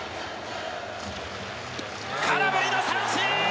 空振りの三振。